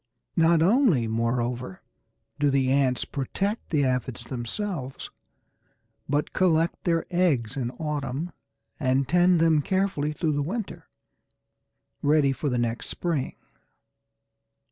Not only, moreover, do the ants protect the Aphides themselves, but collect their eggs in autumn, and tend them carefully through the winter, ready for the next spring.